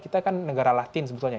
kita kan negara latin sebetulnya